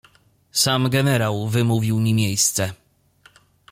"Sam generał wymówił mi miejsce."